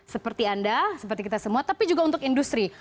seperti anda seperti kita semua tapi juga untuk industri